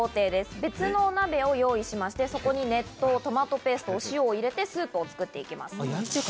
別のお鍋を用意しまして、そこに熱湯、トマトペースト、お塩を入れてスープを作っていきます。